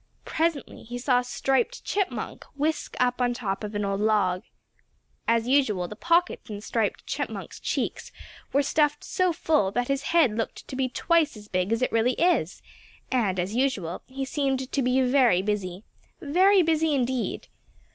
Presently he saw Striped Chipmunk whisk up on top of an old log. As usual the pockets in Striped Chipmunk's cheeks were stuffed so full that his head looked to be twice as big as it really is, and as usual he seemed to be very busy, very busy indeed.